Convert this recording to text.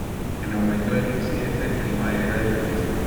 En el momento del incidente el clima era de llovizna.